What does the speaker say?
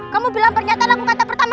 kamu bilang pernyataan aku kata pertama